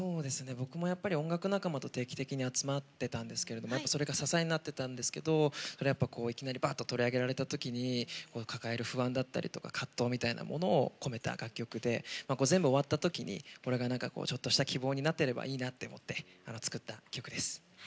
僕も音楽仲間と定期的に集まってたんですけどそれが支えになってたんですけどそれがいきなり、バッと取り上げられた時に抱える不安だったり葛藤だったりを込めた楽曲で全部終わったときに、これがちょっとした希望になってたらいいなと思って作った曲です。